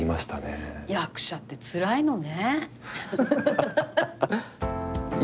役者ってつらいのね。